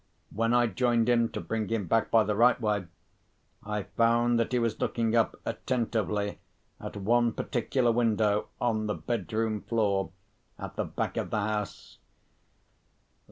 When I joined him to bring him back by the right way, I found that he was looking up attentively at one particular window, on the bedroom floor, at the back of the house.